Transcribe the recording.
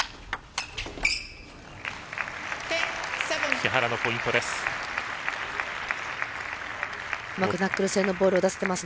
木原のポイントです。